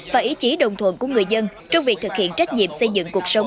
và ý chí đồng thuận của người dân trong việc thực hiện trách nhiệm xây dựng cuộc sống